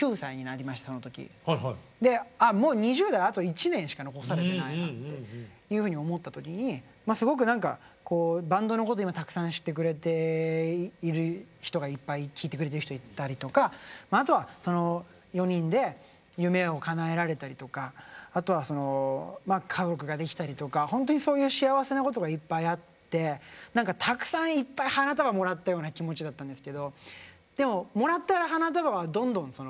ああもう２０代あと１年しか残されてないなっていうふうに思った時にまあすごく何かバンドのこと今たくさん知ってくれている人がいっぱい聴いてくれてる人いたりとかあとはその４人で夢をかなえられたりとかあとはその家族ができたりとかほんとにそういう幸せなことがいっぱいあって何かたくさんいっぱい花束もらったような気持ちだったんですけどでももらった花束はどんどんしおれていってしまうっていうか